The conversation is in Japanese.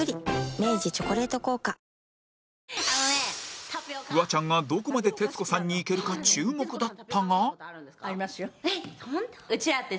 明治「チョコレート効果」フワちゃんがどこまで徹子さんにいけるか注目だったが